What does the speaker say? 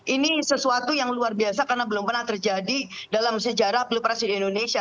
ini sesuatu yang luar biasa karena belum pernah terjadi dalam sejarah pilpres di indonesia